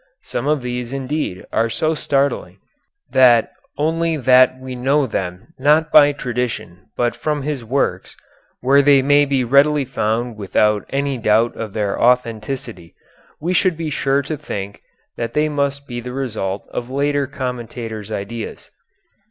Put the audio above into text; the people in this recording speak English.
Some of these indeed are so startling, that only that we know them not by tradition but from his works, where they may be readily found without any doubt of their authenticity, we should be sure to think that they must be the result of later commentators' ideas.